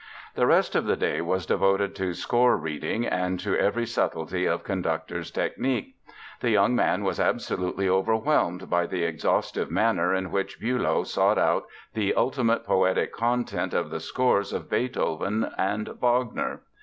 The rest of the day was devoted to score reading and to every subtlety of conductor's technic. The young man was absolutely overwhelmed by "the exhaustive manner in which Bülow sought out the ultimate poetic content of the scores of Beethoven and Wagner."